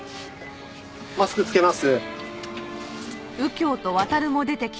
マスク着けます。